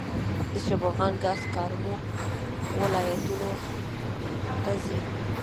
د شبرغان ګاز کومو ولایتونو ته ځي؟